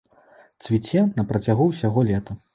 Цвіце на працягу ўсяго лета.